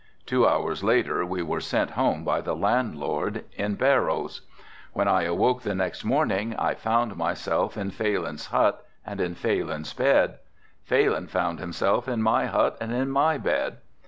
Two hours later we were sent home by the landlord in barrows. When I awoke the next morning I found myself in Phalin's hut and in Phalin's bed. Phalin found himself in my hut and in my bed.